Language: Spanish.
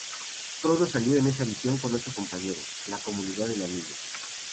Frodo salió en esa misión con ocho compañeros —la Comunidad del Anillo.